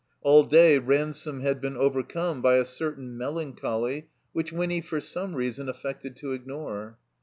All day Ransome had been overcome by a certain melancholy which Winny for some reason affected to ignore.